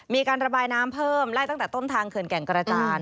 มีการระบายน้ำเพิ่มไล่ตั้งแต่ต้นทางเขื่อนแก่งกระจาน